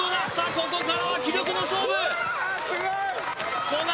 ここからは気力の勝負古賀